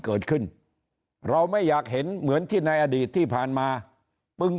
เกิดขึ้นเราไม่อยากเห็นเหมือนที่ในอดีตที่ผ่านมาปึง